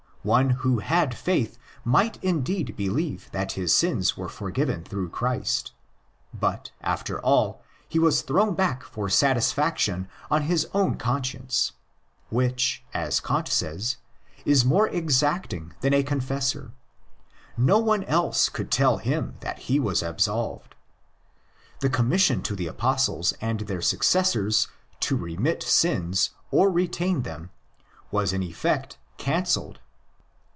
One who had "" faith " might indeed believe that his sins were '' forgiven" through Christ; but, after all, he was thrown back for satisfaction on his own conscience, which, as Kant says, is more exacting than a con fessor; no one else could tell him that he was absolved. The commission to the Apostles and their successors to "remit" sins or ''retain" them was in effect cancelled.